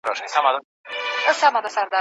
څېړونکی د متن سرچيني ولي ارزوي؟